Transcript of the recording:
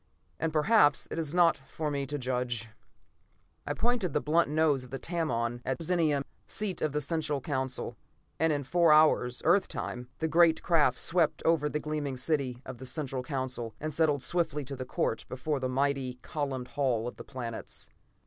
And perhaps it is not for me to judge. I pointed the blunt nose of the Tamon at Zenia, seat of the Central Council, and in four hours, Earth time, the great craft swept over the gleaming city of the Central Council and settled swiftly to the court before the mighty, columned Hall of the Planets.